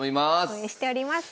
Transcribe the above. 応援しております。